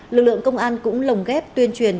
lực lượng công an cũng lồng ghép tuyên truyền